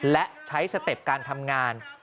และใช้สเต็ปการทำงาน